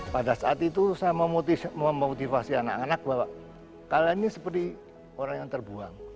pada saat itu saya memotivasi anak anak bahwa kalian ini seperti orang yang terbuang